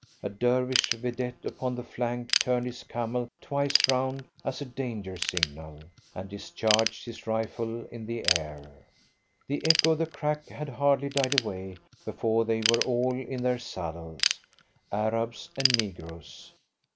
A Dervish vedette upon the flank turned his camel twice round as a danger signal, and discharged his rifle in the air. The echo of the crack had hardly died away before they were all in their saddles, Arabs and negroes.